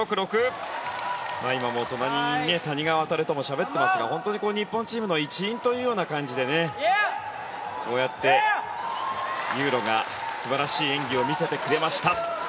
今も隣、谷川航としゃべっていますが本当に日本チームの一員という感じでこうやってユーロが素晴らしい演技を見せてくれました。